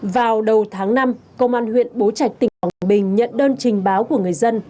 vào đầu tháng năm công an huyện bố trạch tỉnh quảng bình nhận đơn trình báo của người dân